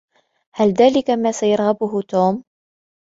هل ذلك ما سيرغبه توم ؟